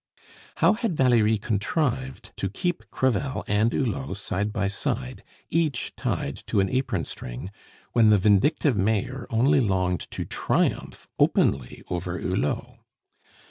How had Valerie contrived to keep Crevel and Hulot side by side, each tied to an apron string, when the vindictive Mayor only longed to triumph openly over Hulot?